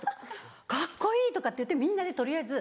「カッコいい！」とかっていってみんなで取りあえず。